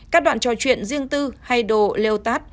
các đoạn trò chuyện riêng tư hay đồ leo tát